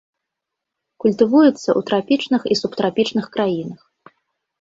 Культывуецца ў трапічных і субтрапічных краінах.